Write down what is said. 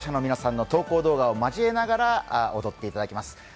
今朝も視聴者の皆さんの投稿動画を交えながら踊っていただきます。